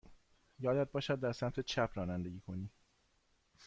یادت باشد در سمت چپ رانندگی کنی.